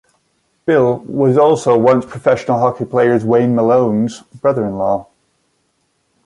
Bill was also once professional hockey player Wayne Muloin's brother-in-law.